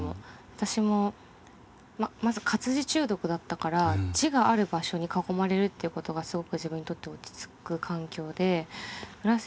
私もまず活字中毒だったから字がある場所に囲まれるっていうことがすごく自分にとって落ち着く環境でプラス